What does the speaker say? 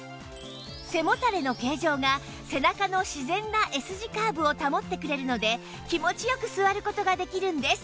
背もたれの形状が背中の自然な Ｓ 字カーブを保ってくれるので気持ち良く座る事ができるんです